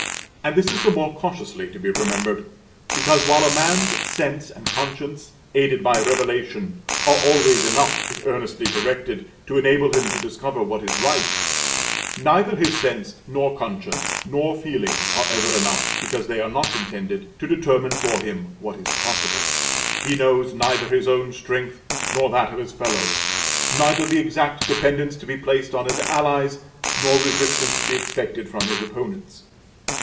And this is the more cautiously to be remembered; because, while a man's sense and conscience, aided by Revelation, are always enough, if earnestly directed, to enable him to discover what is right, neither his sense, nor conscience, nor feeling, are ever enough, because they are not intended, to determine for him what is possible. He knows neither his own strength nor that of his fellows, neither the exact dependence to be placed on his allies nor resistance to be expected from his opponents.